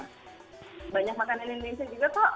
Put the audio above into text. nah banyak makanan indonesia juga kok di causeway bay di tepkong com